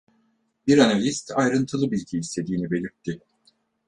Bir analist, ayrıntılı bilgi istediğini belirtti.